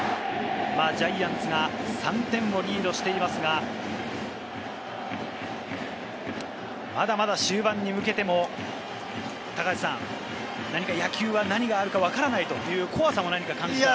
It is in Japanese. ジャイアンツが３点をリードしていますが、まだまだ終盤に向けても何か野球は何があるかわからないという怖さも何か感じるような。